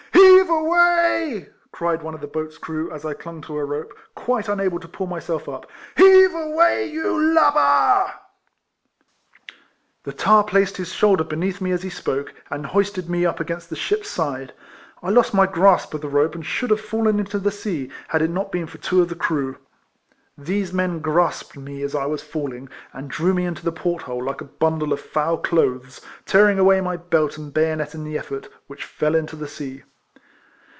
" Heave away !" cried one of the boat's crew, as I clung to a rope, quite unable to pull myself up, " heave away, you lub ber I" The tar placed his shoulder beneath me as he spoke, and hoisted me up against the ship's side; I lost my grasp of the rope and should have fallen into the sea, had it not been for two of the crew. These men grasped me as I was falling, and drew me into the port hole like a bundle of foul clothes, tearing away my belt and bayonet in the effort, which fell into the sea.